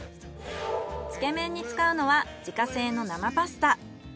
つけ麺に使うのは自家製の生パスタ。